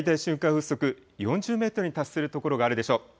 風速４０メートルに達する所があるでしょう。